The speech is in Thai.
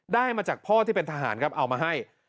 ได้มาจากพ่อที่เป็นทหารครับเอามาให้